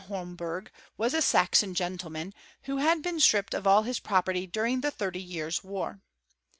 U9 Homberg, was a Saxon gentleman, who had beea stripped of all his property during the thirty years war.